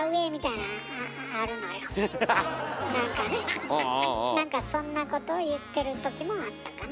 なんかそんなことを言ってるときもあったかな。